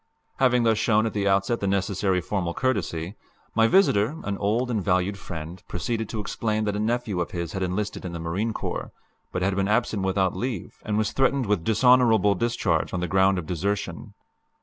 Having thus shown at the outset the necessary formal courtesy, my visitor, an old and valued friend, proceeded to explain that a nephew of his had enlisted in the Marine Corps, but had been absent without leave, and was threatened with dishonorable discharge on the ground of desertion.